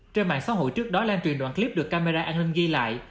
trên mạng xã hội trước đó lan truyền đoạn clip được camera an ninh ghi lại